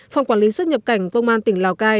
phòng quản lý xuất nhập cảnh công an tỉnh lào cai